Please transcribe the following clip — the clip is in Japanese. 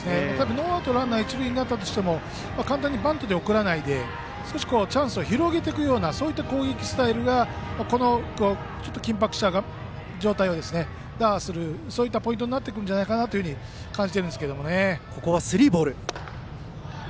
ノーアウトランナー、一塁になっても簡単にバントで送らないで少しチャンスを広げていくような攻撃スタイルがこの緊迫した状態を打破するポイントになるんじゃないかと感じています。